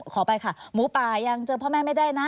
ขอไปค่ะหมูป่ายังเจอพ่อแม่ไม่ได้นะ